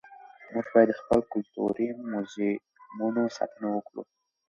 موږ باید د خپلو کلتوري موزیمونو ساتنه وکړو.